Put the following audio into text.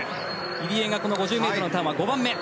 入江が５０ｍのターンは５番目。